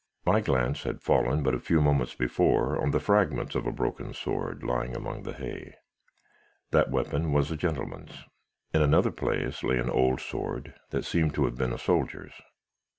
"My glance had fallen, but a few moments before, on the fragments of a broken sword, lying among the hay. That weapon was a gentleman's. In another place, lay an old sword that seemed to have been a soldier's.